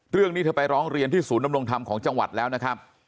เรื่องนี้เธอไปร้องเรียนที่ศูนย์ดำรงธรรมของจังหวัดแล้วนะครับ